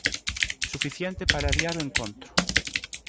Suficiente para adiar o encontro.